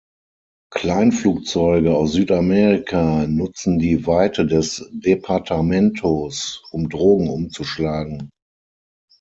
Kleinflugzeuge aus Südamerika nutzen die Weite des Departamentos, um Drogen umzuschlagen.